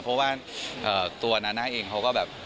เพราะว่าตัวนาน่าเองเขาก็แบบ